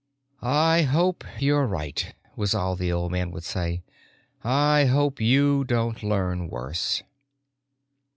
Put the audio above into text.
"I hope you're right," was all the old man would say. "I hope you don't learn worse."